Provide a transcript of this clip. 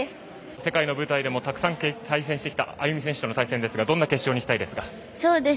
世界の舞台でもたくさん対戦してきたＡＹＵＭＩ選手との対戦どんな決勝にしたいですか？